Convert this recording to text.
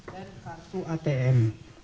dan kartu atm